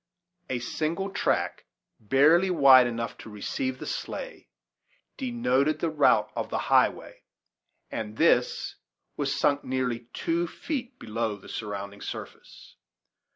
A single track, barely wide enough to receive the sleigh, * denoted the route of the highway, and this was sunk nearly two feet below the surrounding surface.